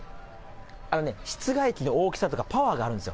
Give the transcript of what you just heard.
室外機の大きさとか、パワーがあるんですよ。